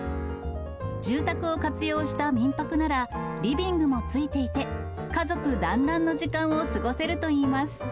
住宅を活用した民泊なら、リビングもついていて、家族団らんの時間を過ごせるといいます。